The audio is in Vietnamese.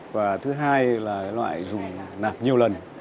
và thứ hai là loại dùng nạp nhiều lần